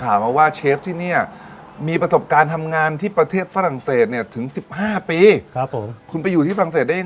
มาว่าเชฟที่เนี่ยมีประสบการณ์ทำงานที่ประเทศฝรั่งเศสเนี่ยถึงสิบห้าปีครับผมคุณไปอยู่ที่ฝรั่งเศสได้ยังไง